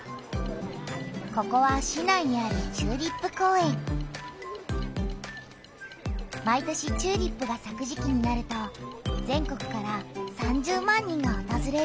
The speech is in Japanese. ここは市内にある毎年チューリップがさく時期になると全国から３０万人がおとずれる。